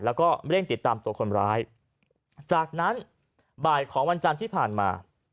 แล้วก็เร่งติดตามตัวคนร้ายจากนั้นบ่ายของวันจันทร์ที่ผ่านมา